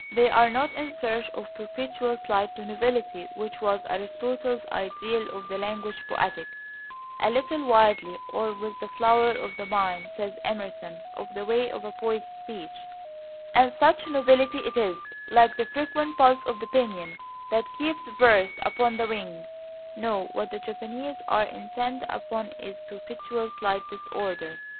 They are not in search of the perpetual slight novelty which was Aristotle's ideal of the language poetic ("a little wildly, or with the flower of the mind," says Emerson of the way of a poet's speech) and such novelty it is, like the frequent pulse of the pinion, that keeps verse upon the wing; no, what the Japanese are intent upon is perpetual slight disorder.